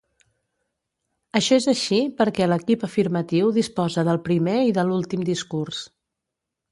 Això és així perquè l'equip afirmatiu disposa del primer i de l'últim discurs.